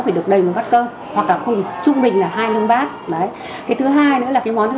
phải được đầy một bát cơm hoặc là không trung bình là hai lưng bát đấy cái thứ hai nữa là cái món thứ